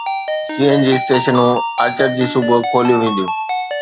سي N G اسٽيشنون آچر جي صبح کوليون وينديون